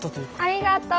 ありがとう。